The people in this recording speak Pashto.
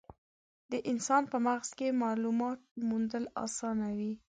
د انسان په مغز کې مالومات موندل اسانه وي.